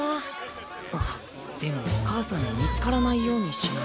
あでもお母さんに見つからないようにしないと。